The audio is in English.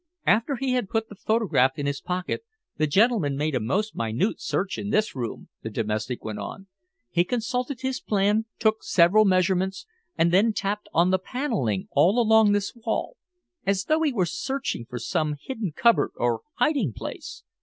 "After he had put the photograph in his pocket, the gentleman made a most minute search in this room," the domestic went on. "He consulted his plan, took several measurements, and then tapped on the paneling all along this wall, as though he were searching for some hidden cupboard or hiding place.